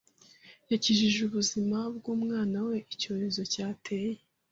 Yakijije ubuzima bw'umwana we icyorezo cyateye.